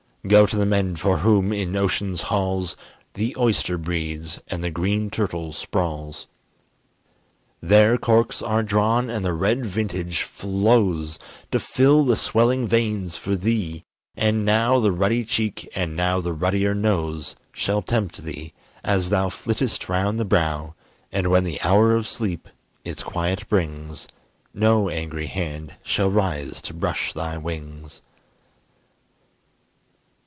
Go to the men for whom, in ocean's halls, The oyster breeds and the green turtle sprawls. There corks are drawn, and the red vintage flows, To fill the swelling veins for thee, and now The ruddy cheek and now the ruddier nose Shall tempt thee, as thou flittest round the brow; And when the hour of sleep its quiet brings, No angry hand shall rise to brush thy wings.